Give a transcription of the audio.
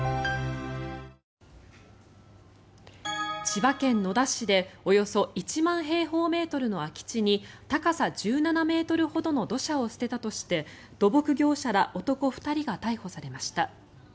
千葉県野田市でおよそ１万平方メートルの空き地に高さ１７ｍほどの土砂を捨てたとして土木業者ら男２人が逮捕されました。